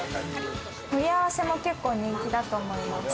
盛り合わせも結構人気だと思います。